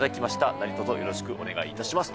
何とぞよろしくお願いいたしますと。